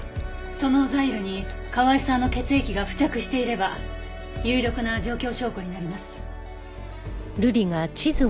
そのザイルに河合さんの血液が付着していれば有力な状況証拠になります。